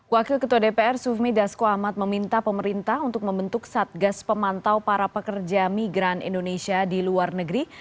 wakil ketua dpr sufmi dasko ahmad meminta pemerintah untuk membentuk satgas pemantau para pekerja migran indonesia di luar negeri